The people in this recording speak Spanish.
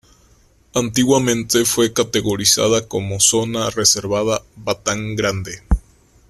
Antiguamente fue categorizada como Zona Reservada Batán Grande.